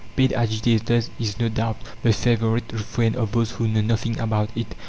"Paid agitators" is, no doubt, the favourite refrain of those who know nothing about it.